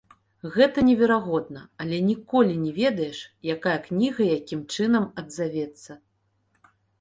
Гэта неверагодна, але ніколі не ведаеш, якая кніга якім чынам адзавецца.